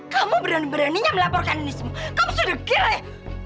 kamu berani beraninya melaporkan ini semua kamu sudah gila ya